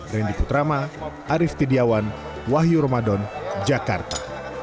dari bandi putrama arief tidjawan wahyu ramadan jakarta